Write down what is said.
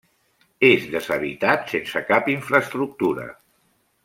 És deshabitat, sense cap infraestructura.